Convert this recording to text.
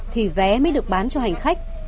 thì vé mới được bán cho hành khách